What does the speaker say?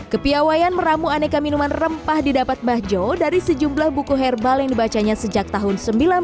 kepiawayan meramu aneka minuman rempah didapat bahjo dari sejumlah buku herbal yang dibacanya sejak tahun seribu sembilan ratus sembilan puluh